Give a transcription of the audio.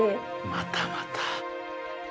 またまた。